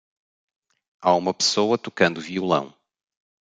Há uma pessoa tocando violão.